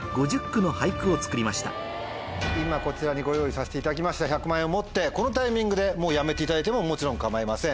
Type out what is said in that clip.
今こちらにご用意させていただきました１００万円を持ってこのタイミングでもうやめていただいてももちろん構いません。